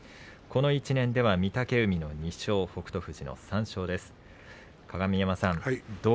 この１年では御嶽海の２勝北勝富士の３勝です。